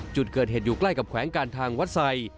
จุดเกิดเหตุอยู่ใกล้กับแขวงการทางวัดไซ